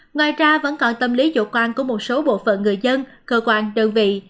ngoài ra vẫn còn tâm lý chủ quan của một số bộ phận người dân cơ quan đơn vị